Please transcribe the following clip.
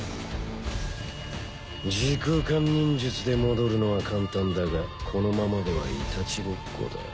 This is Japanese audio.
時空間忍術で戻るのは簡単だがこのままではいたちごっこだ。